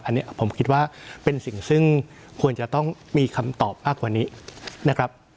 อันนี้ผมคิดว่าเป็นสิ่งซึ่งควรจะต้องมีคำตอบมากกว่านี้นะครับ